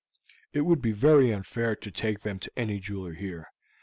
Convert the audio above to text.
It would be very unfair to take them to any jeweler here.